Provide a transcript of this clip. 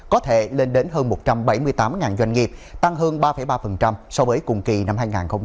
có thể lên đến hơn một trăm bảy mươi tám doanh nghiệp tăng hơn ba ba so với cùng kỳ năm hai nghìn một mươi chín